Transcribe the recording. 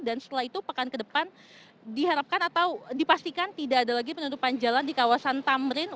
dan setelah itu pekan ke depan diharapkan atau dipastikan tidak ada lagi penutupan jalan di kawasan tamrin